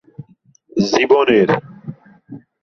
এই নিয়মের জ্যামিতিক ব্যাখ্যা হলো পিথাগোরাসের উপপাদ্য।